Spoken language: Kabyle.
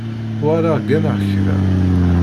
Uɣaleɣ gganeɣ kra.